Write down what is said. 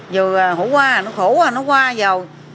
vừa hổ qua nó khổ nó qua vào